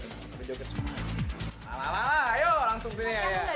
aku nggak bisa joget